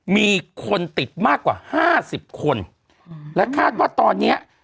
มีคนติดมากกว่าห้าสิบคนอืมและคาดว่าตอนเนี้ย